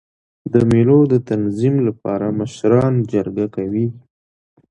د مېلو د تنظیم له پاره مشران جرګه کوي.